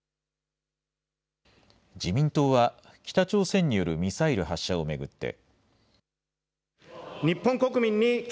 自民党は北朝鮮によるミサイル発射を巡って。